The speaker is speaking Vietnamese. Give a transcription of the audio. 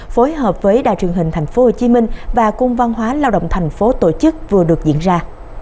phối hợp với đài truyền hình thành phố hồ chí minh và cung văn hóa lao động thành phố tổ chức vừa được diễn ra